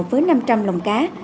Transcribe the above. với năm trăm linh lồng cá